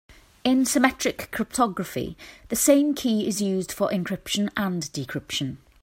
In symmetric cryptography the same key is used for encryption and decryption.